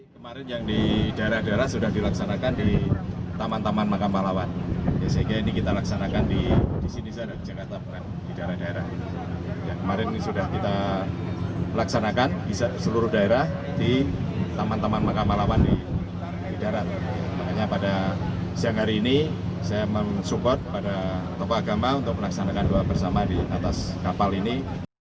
tepuk agama untuk melaksanakan doa bersama di atas kapal ini